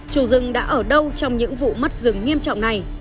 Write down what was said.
chủ rừng đã ở đâu trong những vụ mất rừng nghiêm trọng này